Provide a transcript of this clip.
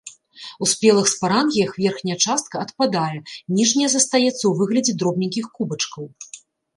У спелых спарангіях верхняя частка адпадае, ніжняя застаецца ў выглядзе дробненькіх кубачкаў.